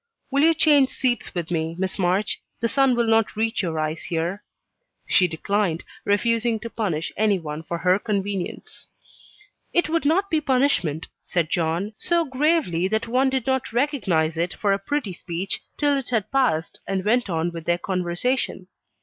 "Will you change seats with me, Miss March? The sun will not reach your eyes here." She declined, refusing to punish any one for her convenience. "It would not be punishment," said John, so gravely that one did not recognize it for a "pretty speech" till it had passed and went on with their conversation.